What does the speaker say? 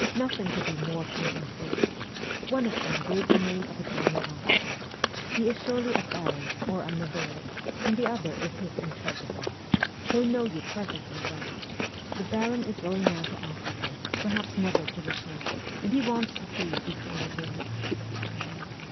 Nothing could be more comme il faut. One of them gave the name of a German officer. He is surely a baron or a "milord," and the other is his interpreter. They know you perfectly well. The baron is going now to Africa, perhaps never to return, and he wants to see you before he leaves.'